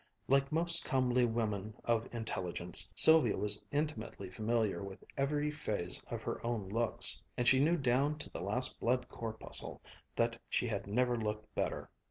Like most comely women of intelligence Sylvia was intimately familiar with every phase of her own looks, and she knew down to the last blood corpuscle that she had never looked better.